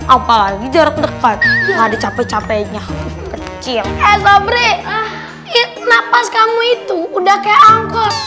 apalagi jarak dekat ada capek capeknya kecil eh sobri nafas kamu itu udah kayak angkor